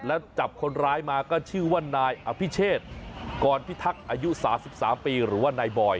แล้วจับคนร้ายมาก็ชื่อว่านายอภิเชษกรพิทักษ์อายุ๓๓ปีหรือว่านายบอย